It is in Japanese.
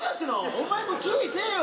お前も注意せぇよ。